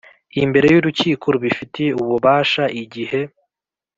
imbere y urukiko rubifitiye ububasha Igihe